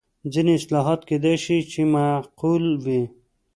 ځینې اصلاحات کېدای شي چې معقول وي.